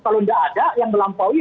kalau tidak ada yang melampaui